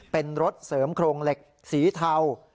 เป็นรถเสริมโครงเหล็กสีเทา